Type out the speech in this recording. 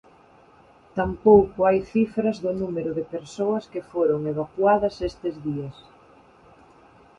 Tampouco hai cifras do número de persoas que foron evacuadas estes días.